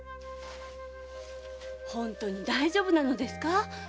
本当に大丈夫なのですか？